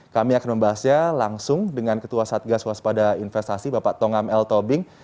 kami akan membahasnya langsung dengan ketua satgas waspada investasi bapak tongam l tobing